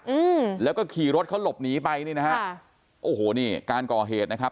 อืมแล้วก็ขี่รถเขาหลบหนีไปนี่นะฮะค่ะโอ้โหนี่การก่อเหตุนะครับ